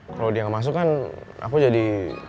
kalau dia gak masuk kan aku jadi